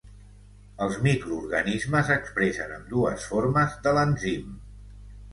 Els microorganismes expressen ambdues formes de l'enzim.